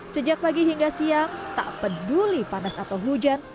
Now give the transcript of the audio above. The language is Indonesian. sejak pagi hingga siang tak peduli panas atau hujan